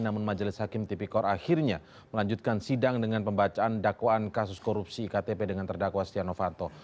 namun majelis hakim tipikor akhirnya melanjutkan sidang dengan pembacaan dakwaan kasus korupsi iktp dengan terdakwa stiano fanto